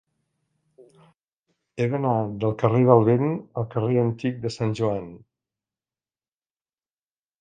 He d'anar del carrer del Vent al carrer Antic de Sant Joan.